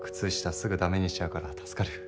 すぐダメにしちゃうから助かる。